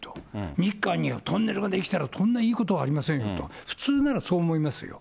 日韓にはトンネルが出来たら、こんないいことはありませんと、普通ならそう思いますよ。